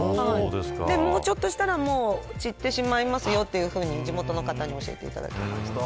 もうちょっとしたら散ってしまいますよというふうに地元の方に教えていただきました。